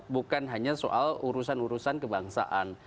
bukan hanya soal urusan urusan kebangsaan